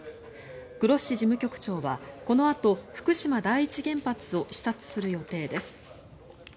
グロッシ事務局長はこのあと福島第一原発を視察する予定です。